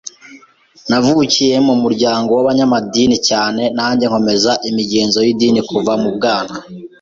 Navukiye mu muryango w’abanyedini cyane, nanjye nkomeza imigenzo y’idini kuva mu bwana